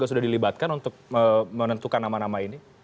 sudah dilibatkan untuk menentukan nama nama ini